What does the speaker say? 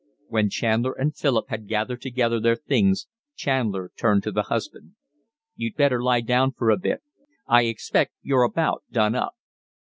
When Chandler and Philip had gathered together their things Chandler turned to the husband. "You'd better lie down for a bit. I expect you're about done up."